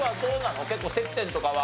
結構接点とかはあるの？